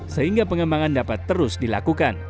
sehingga pengembangan dapat terus dilakukan